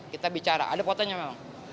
kita bicara ada fotonya memang